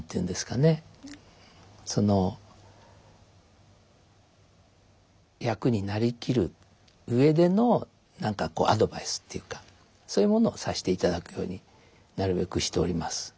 その役に成りきる上での何かアドバイスっていうかそういうものをさしていただくようになるべくしております。